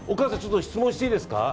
質問していいですか。